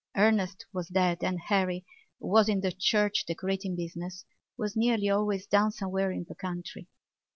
Ernest was dead and Harry, who was in the church decorating business, was nearly always down somewhere in the country.